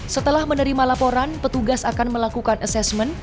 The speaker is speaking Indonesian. setelah menerima laporan petugas akan melakukan asesmen